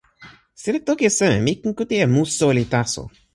sina toki e seme? mi ken kute e mu soweli taso.